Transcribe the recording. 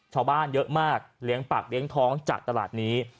ชาวบ้านเยอะมากเลี้ยงปากเลี้ยงท้องจากตลาดนี้